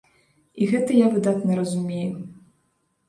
І гэта я выдатна разумею.